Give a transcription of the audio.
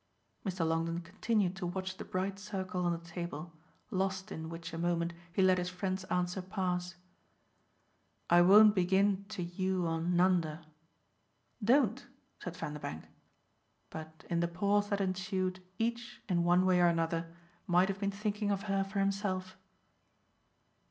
Mr. Longdon continued to watch the bright circle on the table, lost in which a moment he let his friend's answer pass. "I won't begin to you on Nanda." "Don't," said Vanderbank. But in the pause that ensued each, in one way or another, might have been thinking of her for himself.